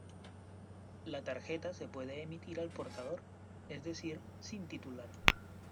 La tarjeta se puede emitir al portador: es decir, sin titular.